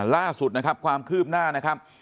ล่าสุดนะครับความคืบหน้านะครับ